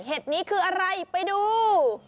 เห็ดนี้คืออะไรไปดู